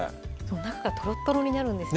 中がとろっとろになるんですよ